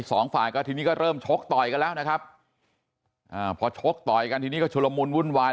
สองฝ่ายก็ทีนี้ก็เริ่มชกต่อยกันแล้วนะครับอ่าพอชกต่อยกันทีนี้ก็ชุลมุนวุ่นวาย